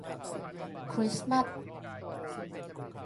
คริสต์มาส